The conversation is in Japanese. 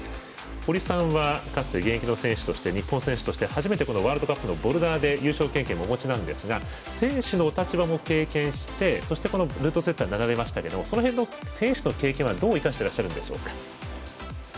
堀さんはかつて現役の選手として日本選手として初めて、ワールドカップのボルダーで優勝経験をお持ちなんですが選手のお立場も経験されてそして、ルートセッターになられましたけれども選手の経験はどう生かしてらっしゃるんでしょうか？